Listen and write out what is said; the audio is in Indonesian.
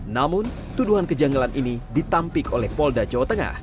namun tuduhan kejanggalan ini ditampik oleh polda jawa tengah